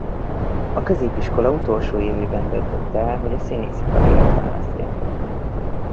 A középiskola utolsó évében döntötte el hogy a színészi karriert választja.